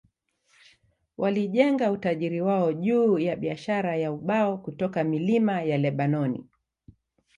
Walijenga utajiri wao juu ya biashara ya ubao kutoka milima ya Lebanoni.